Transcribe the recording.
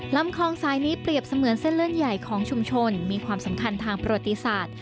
ลำคลองสายนี้เปรียบเสมือนเส้นเลื่อนใหญ่ของชุมชนมีความสำคัญทางประวัติศาสตร์